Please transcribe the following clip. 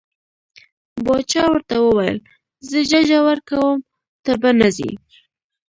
باچا ورته وویل زه ججه ورکوم ته به نه ځې.